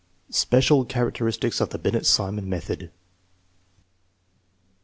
Special characteristics of the Binet Sixnon method.